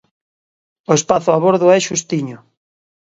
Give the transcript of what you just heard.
O espazo a bordo é xustiño.